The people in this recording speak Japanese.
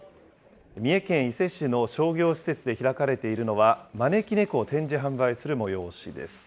三重県伊勢市の商業施設で開かれているのは、招き猫を展示・販売する催しです。